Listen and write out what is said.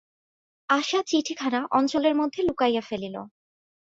আশা চিঠিখানা অঞ্চলের মধ্যে লুকাইয়া ফেলিল।